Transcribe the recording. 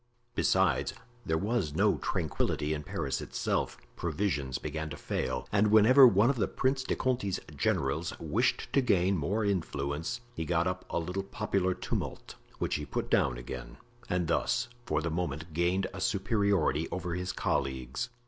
Besides, there was no tranquillity in Paris itself. Provisions began to fail, and whenever one of the Prince de Conti's generals wished to gain more influence he got up a little popular tumult, which he put down again, and thus for the moment gained a superiority over his colleagues.